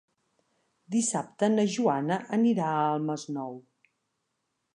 Dissabte na Joana anirà al Masnou.